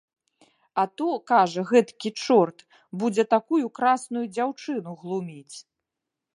А то, кажа, гэтакі чорт будзе такую красную дзяўчыну глуміць.